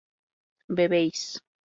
bebéis